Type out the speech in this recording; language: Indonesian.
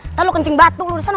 nanti lo kencing batu lo di sana